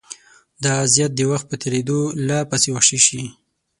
دا اذیت د وخت په تېرېدو لا پسې وحشي شي.